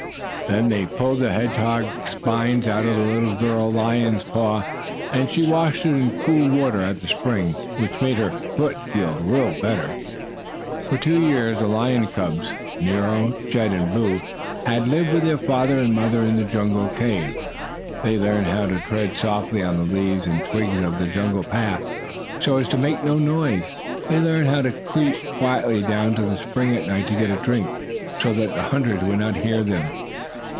Then they pulled the hedgehog spines out of the little girl lion's paw, and she washed it in cool water at the spring, which made her foot feel better. For two years the lion cubs, Nero, Chet and Boo, had lived with their father and mother in the jungle cave. They learned how to tread softly on the leaves and twigs of the jungle path, so as to make no noise. They learned how to creep quietly down to the spring at night to get a drink, so that the hunters would not hear them.